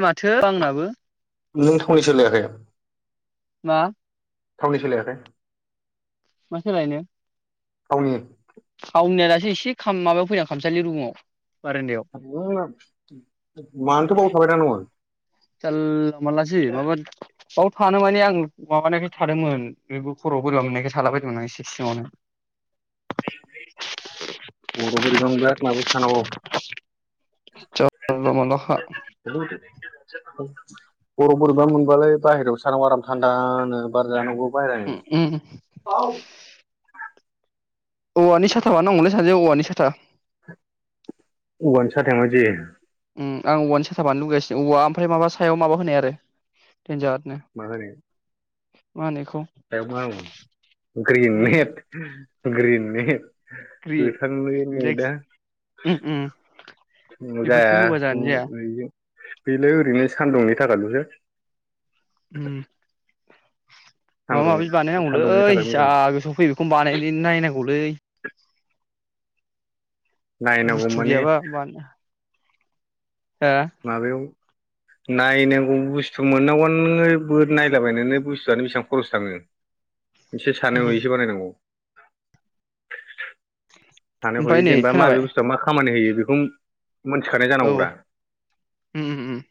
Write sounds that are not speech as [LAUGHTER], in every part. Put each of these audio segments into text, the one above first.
बे माथो आंनाबो नों थावनि सोलायाखै? मा? थावनि सोलायाखै? मा सोलायनो? थावनि। अंनिया दासो एसे खाम माबायाव फैदां खामसालि रुमाव। बारान्दायाव हाबगौमोन आं मानोथो बाव होखाबाय थानाय [INAUDIBLE] चाल मालासि माबा बाव थानो माने आं माबानायखाय थादोंमोन बेबो खरआव बोरैबा मोननायखाय थाला बदोंमोन आं एसे सिङावनो। खर'आव बोरैबा मोनबाय आंनाबो थानांगौ। जानला मोनलाखा खर'आव बोरैबा मोनबालाय बाहेरावसो थानांगौ आराम थान्दा नो बार जानांगौ। बाराय उम उम [UNINTELLIGIBLE] औवानि साथा बानायनांगौलै सानैजों औवानि साथा औवानि साथाया माबायदि जायो? उम आं औवानि साथा बानायनो लुगैगासिनो औवा ओमफ्राय माबा सायाव माबा होनाय आरो देनजाद नो मा होनो [UNINTELLIGIBLE] [UNINTELLIGIBLE] ग्रिन उम नेहेद ग्रि गोथां‌ ने रिलेक्स नेदा उम उम [INAUDIBLE] बेफोरखौ जाया होबा उ जानो जाया ओरैजों बेनो ओरैनो सान्दुंनि थाखायलसो। उम माबा सान्दुं माबि सान्दुंनि बानायनांगौलै थाखाय जा मोजां गोसो फैयो बेखौनो बानायदि नायनांगौलै नायनांगौ बुस्थु माने गैयाबा बानिया माबायाव नायनांगौ बुस्थु मोननांगौआ नोङो बो नायलाबाय बुस्थुआनो बेसेबां खरस थाङो एसे सानै उम बायैसो बानायनांगौ सानै हयै ओमफ्राय नै जेनेबा माबे खोनाबाय बुस्थुआ मा खामानि होयो बेखुम मोनथिखानाय औ जानांगौब्रा उम उम उम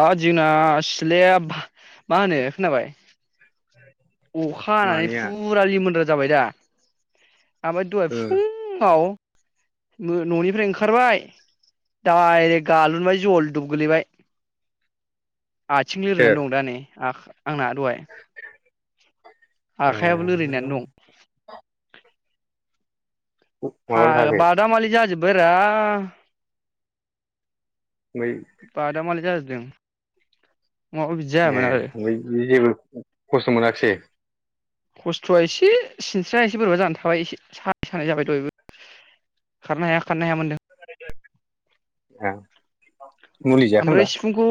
आ जोंना सिलया बा मा होनो खोनाबाय? अखा हानानै मानैया फुरा लिमोन जाबाय दा? ओमफाय दहाय ओ फुङाव मो न'निफ्राय ओंखारबाय डायरेक्ट गालुनबाय जलदुब गोलैबाय। आथिं लोरिनानै सोर दं दा नै आखा आंना दहाय आखाइयाबो ए लोरिनानै दं। हा माबाल' थाखो बादामलि जाजोब बोरा बै बादामालि जाजोब दों ए ओमफ्राय इयो जेबो खस्थ मोनाख्सै? खस्थआ एसे सिनस्राया एसे बोरैबा जानानै थाबाय एसे सानाय सानाय जाबाय दहायबो खारनो हाया खारनो हाया मोनदों। [UNINTELLIGIBLE] ओं आमफ्राय सिफुंखौ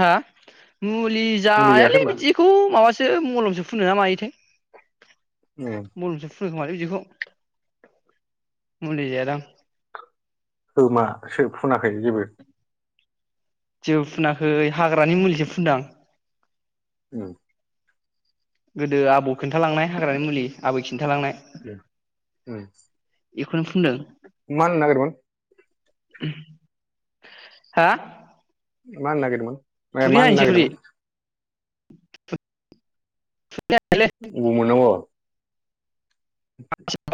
हा? मुलि मुलि जायाखै जायालै होनबा बिदिखौ माबासोम दो मलमसो फुनो ना मायोथाय उम मुलसफु [UNINTELLIGIBLE] मुलि जाया दां खोमा सो फुनाखै जेबो जेबु फुनाखै हाग्रानि मुलिसो फुनदो आं। औ गोदो आबौ खिन्थालांनाय हाग्रानि मुलि आबै खिन्थालांनाय। उ उ इखौनो फुनदों। माहोननो नागिरदोमोन? हा मा होननायगिरदोमोन? फाय थुरि मा हायनोसै नागिरदोंमोन? थुरि ग मोननांग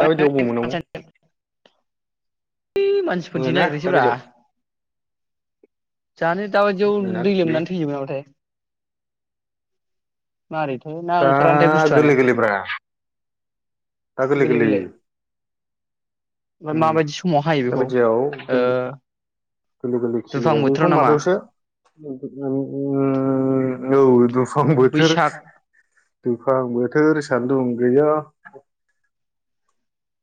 दाबायदियाव अबाव मोननांगौ यै मानसिफोरनिथि मोना नागिरहैसै ब्रा दाबायदियाव जानो दाबादियाव मोनालै दै गैया लोमनानै थैजोबो नाबाथाय मारैथाय ना आ ओंखारानोथाय बुस्थुआनो गोरलै गोरलै ब्रा दा गोरलै गोरलै ओमफ्राय उम माबायदि समाव हायो बेखौ दाबादियाव ओ गोरलै गोरलै दुफां सलिबाय बेखौ बोथोराव नामा माबायावसो औ [UNINTELLIGIBLE] फां बोथोर बैसाग फां बोथोर सान्दुं गैया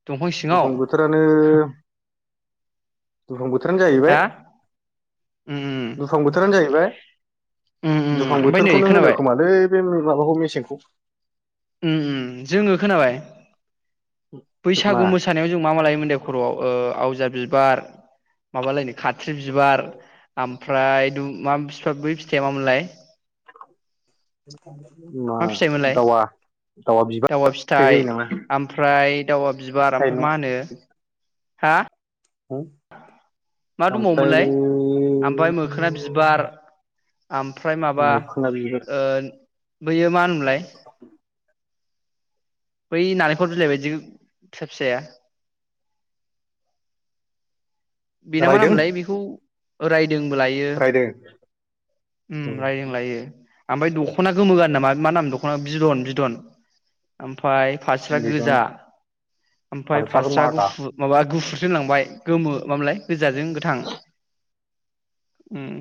दंफां सिङाव दुफां बोथोरानो दुफांबो बोथोरानो जाहैबाय हा उम दुफां बोथोरानो जाहैबाय उम दुफां उम उम ओमफ्राय नै बोथोरखौनो होनो खोनाबाय खोमालै बे माबाखौ मेसेंखौ उम उ जोङो खोनाबाय मा बैसागु मोसानायाव जों मा मा लायोमोन दे खर'आव ओ आवजार बिबार माबालायनो खाथ्रि बिबार ओमफ्राय दुम मा फिफा बै फिथाइया मामोनलाय? बि मा दावा दावि बिबारा फिथाय जायो नामा? दावआ बिबार ओमफ्राय साइनाव मा होनो हा उम मा दंबावोमोनलाय आमफाय मोखोना बिबार आमफ्राय माबा मोखोना बिबार ओ बैयो मा होनोमोनलाय बै नालेखर बिलायबायदि फिसा फिसाया बिना मा नाम रायदों मोनलाय बिखौ ओ रायथ दोंबो लायो रायदों उम रायदों लायो। आमफाय दखना गोमो गानना मा नामा दखना बिदन बिदन आम ओमफाय फास्रा बिदन गोजा ओमफ्राय हासार फास्रा मारा गुफुर माबा गुफ [INAUDIBLE] लांबाय गोमो मा मोनलाय फिज गोजाजों गोथां। उम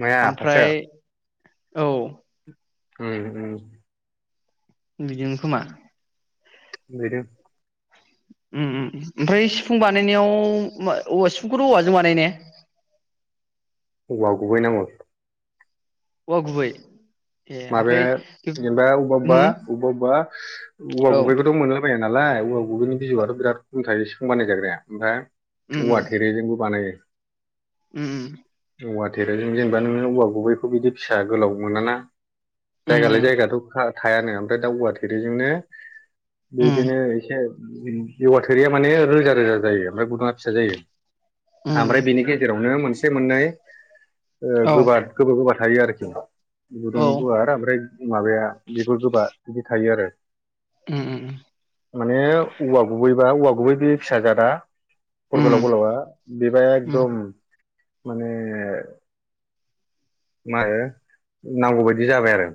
माया फारसे आमफ्राय औ उम उम बिदिनो खोमा [UNINTELLIGIBLE] उम उम ओमफ्राय सिफुं बानायनायाव [UNINTELLIGIBLE] सिफुंखौथ औवाजों बानायो ने? औबा गुबै नांगौ। औवा गुबै ए ओमफ्राय माबाया जेनेबा अबबा अबबा उम अबबा अबबा औवा औ गुबैखौथ' मोनला बाया। नालाय [UNINTELLIGIBLE] बिनि बिजौआथ बिराद [UNINTELLIGIBLE] फुं बानाय जाग्राया ओमफ्राय उम औवा थेरेजोंबो बानायो उम उम औवा थेरेजों जेनेबा नोङो औवा गुबैखौ बिदि फिसा गोलाव मोनाना। जायगालाय उम जायगाथ' खा थायानो ओमफ्राय दा औवा थेरेजोंनो उम बिदिनो ऐसे औवा थेरेआ माने रोजा रोजा जायो ओमफ्राय गुदुंआ फिसा जायो। उम आमफ्राय बिनि गेजेरावनो मोनस मोननाय ओ औ गोबाद गोबा गोबा थायो आरो। [UNINTELLIGIBLE] औ [UNINTELLIGIBLE] माबाया बेफोर गोबा बिदि थायो आरो। उम माने उवा गुबै बा औवा गुबै बे फिसा जादा गर उम गोलाव गोलावा बिबाया उम एकदम माने [UNINTELLIGIBLE] नांगौ बायदि जाबाय आरो।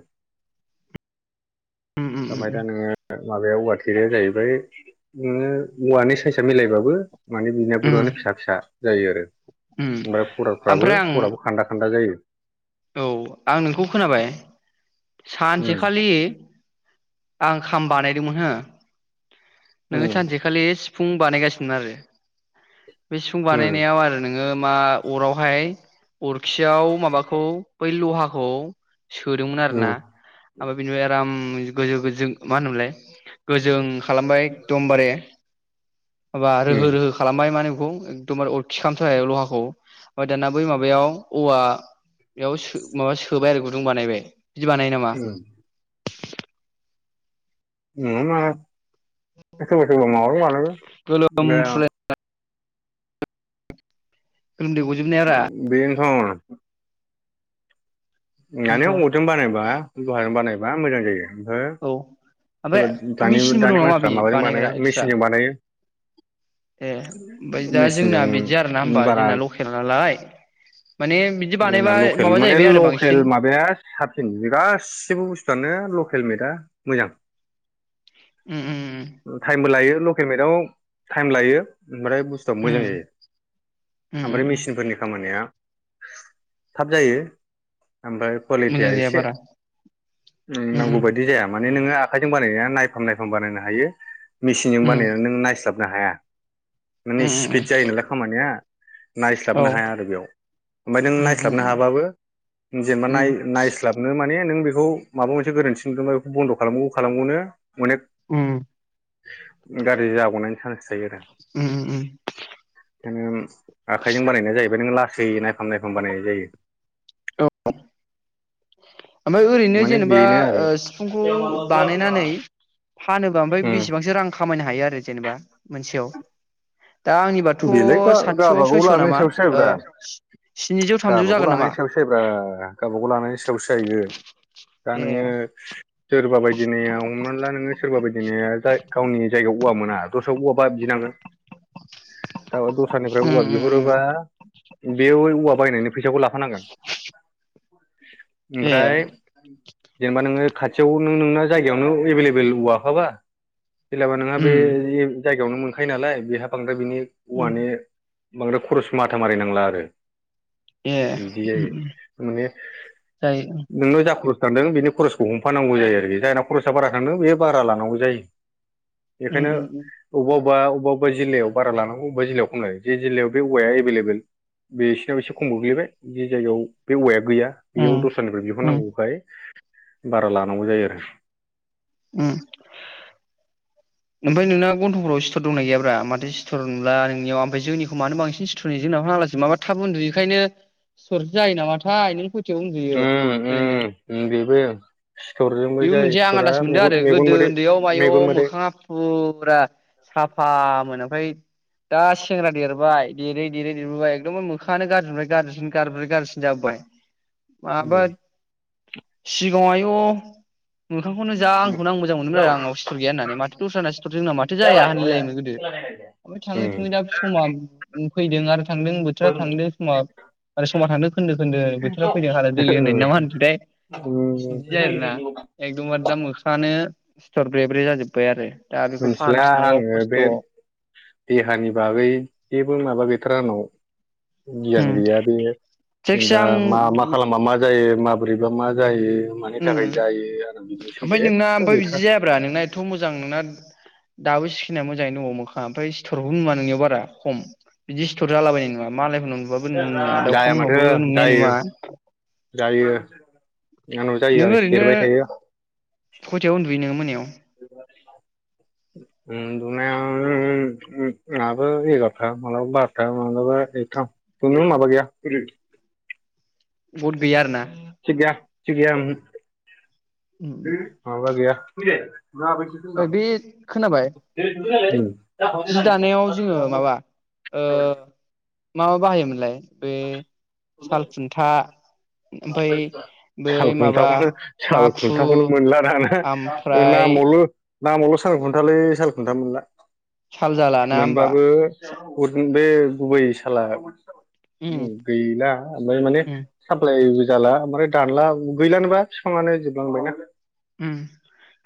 उम [UNINTELLIGIBLE] उम दा नोङो माबाया औवा थोरैया जाहैबाय नोङो औवानि सायसा मिलायबाबो माने उम बिनागुरानो फिसा फिसा। जायो आरो। उम ओमफ्राय खर' ओमफ्राय फोराबो आं खर'आबो खान्दा खान्दा जायो, औ आं नोंखौ खोनाबाय उम सानसेखालि, आं खाम बानायदोंमोन हो नोङो उम सानसेखालि फुं बानाय गासिनो आरो बे सिफुं उम बानायनायाव आरो नों नोङो मा अरावहाय अरखियाव माबाखौ बै लहाखौ सोदोंमोन आरो ना उम ओमफ्राय बिनिफ्राय आराम गो-गोजो गोजों मा‌ होनोमोनलाय गोजों खालामबाय एकदमबारे। माबा रोहो उम रोहो खालामबाय माने खौ एकदमबारे अरखि खामथारनाय लहाखौ [UNINTELLIGIBLE] दाना बै माबायाव औवा बेयाव सो-माबा सोबाय आरो। [UNINTELLIGIBLE] बानायबाय। बिदि बानायो नामा उम [UNINTELLIGIBLE] गोलोम बे [UNINTELLIGIBLE] गोलोमदै गजोबनाय रा बेनोथ' माने बेनोथ' अरजों बानायबा [UNINTELLIGIBLE] बानायबा मोजां जायो। ओमफाय औ ओमफ्राय सोरबा दानि मेचिनबो दं दानि नामा मानसिफ्रा बे माबाजों बानायो बानायग्रा एक्सट्रा मेसिनजों बानायो ए ओमफ्राय दा जोंना मेसिनजों बिदि आरोना होमबा बारा जोंना लकेल नालाय माने बिदि जोंना बानायबा लकेल माबा माने जाहैबाय आरो लकेल बांसिन माबाया साबसिन गासिबो बुस्थुआनो लकेल बेदा मोजां। उम उम टाइमबो लायो हेलमेटआव टाइम लायो ओमफ्राय बुस्थुआ मोजां उम जायो उम ओमफ्राय उम मेसिनफोरनि खामानिया थाब जायो आमफाय कवालिटिया मोजां जाया एसे बारा उम नांगौ बायदि जायामा माने नोङो आखाइजों बानायनाया नायफाम नायफाम बानायनो हायो मेसिनजों उम बानायनानै नों नायस्लाब नो हाया माने उम उम उम स्पिड जायो नालाय खामानिया। औ नायस्लाबनो हाया आरो बेयाव ओमफ्राय नों उम उम नायस्लाबनो हाबाबो जेनेबा उम नाय नायस्लाबनो माने नों बे खौ माबा मोनसे गोरोन्थि नुदोंबा बेखौ बन्द खालाम खालाम गनो अनेक उम गाज्रि जाबावनायनि चान्स थायो आरो उम उम उम [UNINTELLIGIBLE] आखाइजों बानायनाय जाहैबाय नों ला सै नायफाम नायफाम बानायनाय जायो। औ ओमफ्राय ओरैनो माने जेनेबा बेनो आरो ओ सिफुंखौ बानायनानै फानोबा ओमफ्राय बेसेबांसो रां खामायनो हायो आरो जेनेबा मोनसेयाव दा आंनिबाथ' बेलाय गा-गावाबा सातस' गाव सयस' लानायनि नामा सायावसो ओ जायोब्रा स्निजौ थामजौ गावाबा गाव जागोन नामा लानायनि सायावसो जब्रा गावबाागाव लानायनि सायावसो बायगोन दा ए नोङो सोरबा बायदिनाया हमनानै ला नोङो सोर औवाबादिनो जाय गावनि जायगायाव औवा मोना दस्रायाव औवाबा बिनांगोन। औ दस्रानिफ्राय उम औवा उम उम बिहरोबा बे औवा बायनायनि फैसाखौ लाफानांगोन ए ओमफ्राय। जेनेबा नोङो खाथियाव नों नोंना जायगायावनो एभेलेबेल औवाखाबा [INAUDIBLE] लाबा नोंहा बे उम बेयावनो मोनखायो नालाय बेहा बांद्राय बिनि उम माने बांद्राय खरस माथा मारि नांला आरो ए बिदि उम जायो उम माने जायो नोंनाव जा खरस थांदों बिनि खरसखौ हमफानांगौ जायो आरोखि जायना खरसा बारा थांदों बे बारा लानांगौ जायो उम बेखायनो उम उम बबेबा अबेबा अबावबा अबावबा जिल्लायाव बारा लानांगौ अबेबा जिल्लायाव खम लायो ज जिल्लायाव बे औवाया एभेलेबेल बेसिरनाव एसे खम गोग्लैबाय जि जायगायाव बे औ गैया उम बेयाव दस्रानिफ्राय उम बिहरनांगौखाय बारा लानांगौ जायो आरो उम ओमफ्राय नोंना गन्थफोराव सिथर दंनाय गैयाब्रा माथो सिथर नुला नोंनियाव ओमफ्राय जोंनिखौ मानो बांसिन सिथर नुयो जोंनाव आलासि माबा थाब उन्दु बेखायनो सिथर जायो नाथाय नों खयथायाव उन्दुयो उम ओरैनो -उम बेबो सिथरजोंबो बेबो जायो मोनसे आं सिथरा आन्दास मोनदों मेगन मोदै मेगन मोदै उम फुरा साफा मोन ओमफाय दा सेंग्रा देरबाय देरै देरै देरबोबाय एकदम मोखाङानो गाज्रिनिफ्राय गारज्रिसिन गारज्रिनिफ्राय गाज्रिसिन जाबोबाय। माबा उम [UNINTELLIGIBLE] मोखांखौनो जा आंखौ आं मोजां मोनोमोन आरो आंनाव सिथर गैया होननानै मो टउसनस जोंना माथो जाया होनलायलायोमोन गोदो ओमफ्राय थाङै थुङै दा उम समा फैदों आरो थांदों बोथोरा थांदोंमोन समा आरो समा थांदों खोन्दो खोनदो बोथोरा फैदों हालो दैलो होननाय ना मा होनोथाय उम बिदि जायो आरोना एखदमबारे दा मोखाङानो सिथर ब्रे -ब्रे जाजोबबाय हाय आरो मिथिला आङो बे देहानि बागै जेबो माबा गैथारा आंनाव गियान उम गैया बे जायखिजाया जेनेबा आं मा मा खालामबा मा जायो माबोरैबा मा जायो मानि उम थाखाय जायो आरो बिनि सोमोन्दै ओमफ्राय नोंना एथ' ओमफ्राय बिदि गैथारा जायाब्रा नोंना एथ मोजां नोंना दाबो सिकेन आ मोजाङै दं मोखांङा ओमफ्राय सिथरबो नुङा नोंनियाव बारा खम बिदि सिथर जालाबायनाय नुङा मालाय जाया माथो जायो नुवा जायो आंनाव जायो नोङो आं ओरैनो सेरबाय थायो खयथायाव उन्दुयो नोङो मोनायाव उन्दुनाया उम मालाबा एगारथा माब्लाबा बारथा माबलाबाथ खुनु माबा गैया बहथ बियो आरो ना थिग गैया थिग गैया ओंहो। माबा गैया [UNINTELLIGIBLE] ओइ बे खोनाबाय? उम जि दानायाव जोङो माबा ओ माबा बाहायोमोनलाय बे साल खुन्था ओमफ्राय साल बै माबा खुन्थाखौनो साल माखु खुन्थाखौनो मोनला दाना ओमफ्राय नामावल नामावल सालखुन्थालै सालखुनथा मोनला। साल जाला ना होमबा मोनबाबो [UNINTELLIGIBLE] बे गुबै साला उम गैला ओमफ्राय माने उम साफ [UNINTELLIGIBLE] जाला ओमफ्राय दानला गैलानोबा बिफाङानो जोबलांबायना। ओम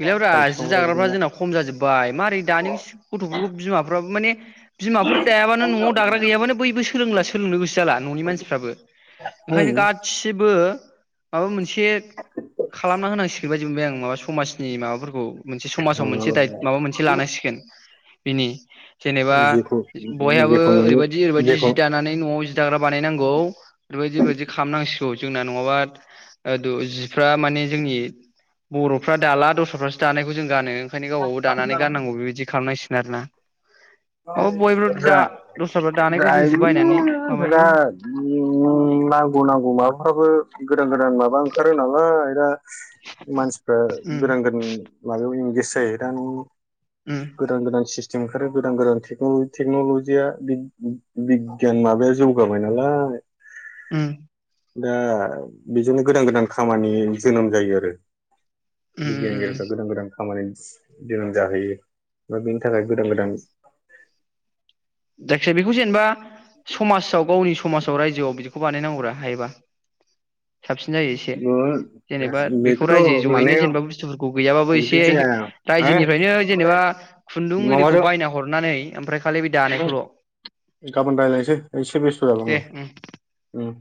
गैलाब्रा साल जि बिफांफ्रा दाग्राफ्रा बिदिनो जोंना खम जाजोबबाय मारै दानि गथ'फोरखौ बिमाफ्राबो माने बिमाफोर दायाबानो नआव दाग्रा गैयाबानो बैबो सोलोंलासो सोलोंनो गोसो जाला न'नि मानसिफ्राबो ओंखायनो गासिबो माबा मोनसे एसे खालामना होनांसि बेबायदि मोनबाय आं माबा समाजनि माबाफोरखौ मोनसे समाजाव मोनसे दायथ माबा मोनसे लानांसिगोन बिनि जेनेबा जेखौ बयहाबो जेखौ नुयो ओरैबायदि ओरैबायदि जि जेखौ दानानै नआव जि दाग्रा बानायनांगौ ओरैबायदि ओरैबायदि खालामनांसि औ जोंना न'ङाबा जिफ्रा माने जोंनि बर'फ्रा दाला दस्राफ्रासो दानायखौ जों गानो ओंखायनो गावबा गाव दानानै गाननांगौ बेबायदि खालामनांसि नारोना दस्राफ्रा [UNINTELLIGIBLE] दानायखौ दा जोंसो बायनानै माबायो ओ नांगौ नांगौ माबाफ्राबो गोदान गोदान माबा ओंखारो नालाय दा मानसिफ्रा उम गोदान गोदान माबायाव इंगेक्ट जायोदां। उम गोदान गोदान सिस जों फोरो गोदान गोदान टेक्न-टेक्नलजिया बि-बि-बिगियान माबाया जौगाबाय नालाय ओम दा बेजोंनो गोदान गोदान खामानि जोनोम जायो आरो। उम उम बिगियानगिरिफोरा गोदान गोदान खामानि गोनां जाहैयो दा बेनि थाखाय गोदान गोदान। जायखिजाया बेखौ जेनेबा समाजाव गावनि समाजाव रायजोआव बिदि खौ बानायनांगौ हायोबा। साबसिन जायो एसे जेनेबा बेखौ बेखौथ' रायजो जयैनो माने जेनेबा बुस्थुफोरखौ गैयाबाबो एसे बिदि जाया रायजोनिफ्रायनो जेनेबा खुन्दुं ओरिखौ माबाजों बायना हरनानै ओमफ्राय खालि बि दानाय गाबोन रायज्लायनोसै एसे बेस्थ जाबाय उम ओम